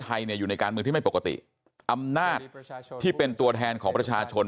เนี่ยอยู่ในการเมืองที่ไม่ปกติอำนาจที่เป็นตัวแทนของประชาชน